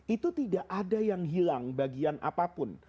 itu tidak ada yang hilang bagian apapun